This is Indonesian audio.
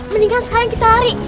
mendingan sekarang kita lari